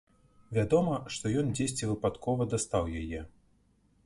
Вядома, што ён дзесьці выпадкова дастаў яе.